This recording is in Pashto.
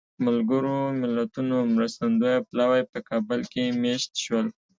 ملګرو ملتونو مرستندویه پلاوی په کابل کې مېشت شول.